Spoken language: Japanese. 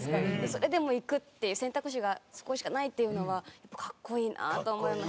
それでもいくっていう選択肢がそこしかないっていうのは格好いいなと思います。